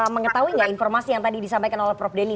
mengetahui nggak informasi yang tadi disampaikan oleh prof denny